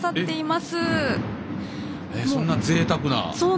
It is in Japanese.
そんなぜいたくな。